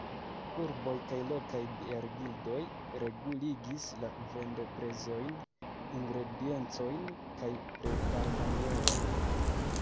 Urboj kaj lokaj biergildoj reguligis la vendoprezojn, ingrediencojn kaj preparmanieron.